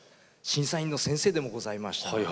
審査員の先生でもございました。